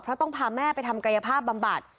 เพราะต้องพาแม่ไปทำกายภาพบำบัด